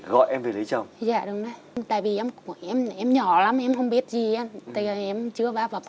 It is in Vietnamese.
gọi em về lấy chồng dạ đúng đấy tại vì em cũng em nhỏ lắm em không biết gì anh thì em chưa và phập